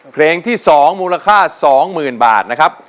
เพลงที่๒มูลค่า๒๐๐๐บาทนะครับ